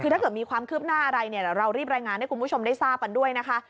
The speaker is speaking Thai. ถ้าเกิดมีความขึบหน้าอะไรเรารีบรายงานให้คุณผู้ชมได้ทราบก่อนด้วยนะคะ